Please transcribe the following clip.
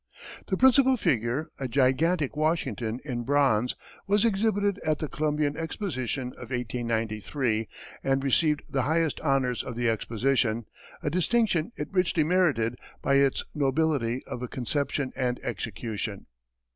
The principal figure, a gigantic Washington in bronze, was exhibited at the Columbian Exposition of 1893, and received the highest honors of the exposition a distinction it richly merited by its nobility of a conception and execution.